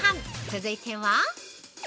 続いては！？